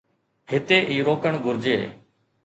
هتي ئي روڪڻ گهرجي.